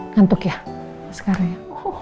ngantuk ya sekarang ya